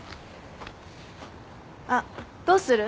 あっどうする？